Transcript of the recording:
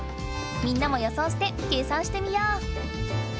みんなも予想して計算してみよう！